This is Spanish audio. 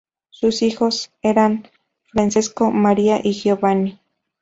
Sus hijos eran Francesco, Maria, y Giovanni.